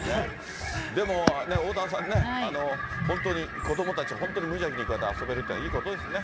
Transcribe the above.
でも、おおたわさんね、本当に子どもたち、本当に無邪気に遊べるっていうのはいいことですね。